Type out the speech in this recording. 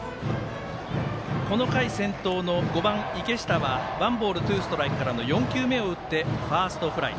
この回、先頭の５番、池下はワンボールツーストライクから打って、ファーストフライ。